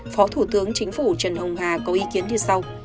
phó thủ tướng chính phủ trần hồng hà có ý kiến như sau